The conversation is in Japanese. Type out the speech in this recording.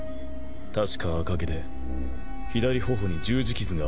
確か赤毛で左ほほに十字傷があるといったな。